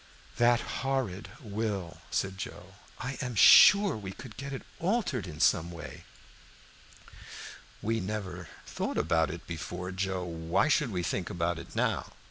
"That horrid will," said Joe. "I am sure we could get it altered in some way." "We never thought about it before, Joe. Why should we think about it now?